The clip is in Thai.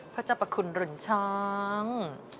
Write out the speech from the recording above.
พระเจ้าประคุณหลุนช้าง